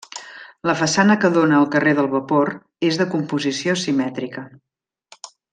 La façana que dóna al carrer del Vapor, és de composició simètrica.